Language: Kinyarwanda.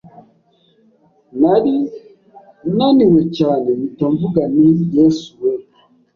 nari naniwe cyane mpita mvuga nti Yesu we!